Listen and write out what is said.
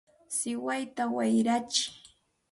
¡siwarata wayratsiy!